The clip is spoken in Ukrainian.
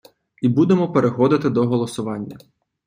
І будемо переходити до голосування.